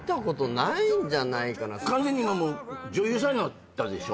完全に今もう女優さんになったでしょ。